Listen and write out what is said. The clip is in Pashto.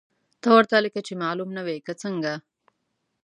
ته ورته لکه چې معلوم نه وې، که څنګه!؟